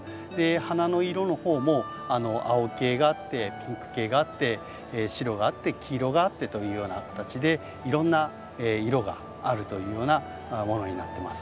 花の色の方も青系があってピンク系があって白があって黄色があってというような形でいろんな色があるというようなものになってます。